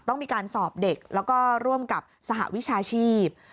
ต้องมีการสอบเด็กแล้วก็ร่วมกับสหวิชาชีพ